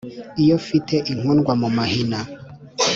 Iyo mfite inkundwamumahina